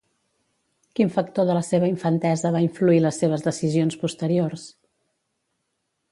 Quin factor de la seva infantesa va influir les seves decisions posteriors?